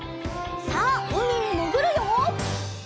さあうみにもぐるよ！